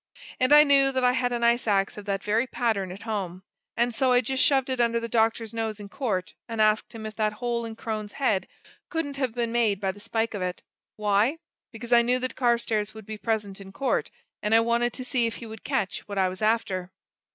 And I knew that I had an ice ax of that very pattern at home and so I just shoved it under the doctor's nose in court, and asked him if that hole in Crone's head couldn't have been made by the spike of it. Why? Because I knew that Carstairs would be present in court, and I wanted to see if he would catch what I was after!"